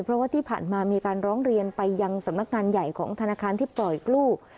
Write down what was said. เพราะว่าที่ผ่านมามีการร้องเรียนไปยังสำนักงานใหญ่ของธนาคารที่ปล่อยกู้